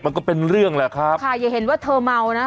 มันก็เป็นเรื่องแหละครับค่ะอย่าเห็นว่าเธอเมานะ